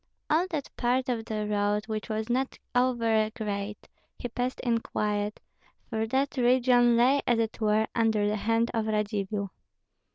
All that part of the road, which was not over great, he passed in quiet, for that region lay as it were under the hand of Radzivill.